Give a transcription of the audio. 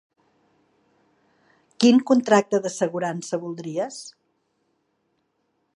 Quin contracte d'assegurança voldries?